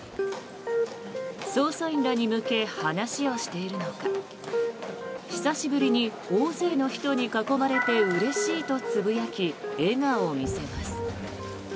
捜査員らに向け話をしているのか久しぶりに大勢の人に囲まれてうれしいとつぶやき笑顔を見せます。